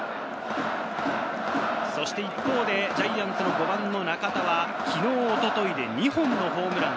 一方でジャイアンツの５番・中田は昨日、一昨日で２本のホームラン。